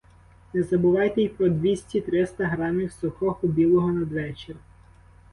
Не забувайте й про двісті-триста грамів сухого білого надвечір